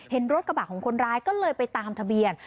เห็นรถกระบะของคนร้ายก็เลยไปตามทะเบียน